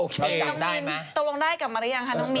จับได้มั้ย